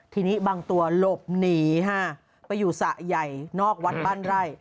ทีนี้บางตัวหลบหนีค่ะไปอยู่สระใหญ่นอกวัดบ้านไร่